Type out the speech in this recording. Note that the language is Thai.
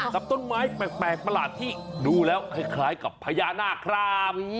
กับต้นไม้แปลกประหลาดที่ดูแล้วคล้ายกับพญานาคครับ